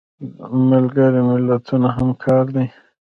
ملګري ملتونه همکار دي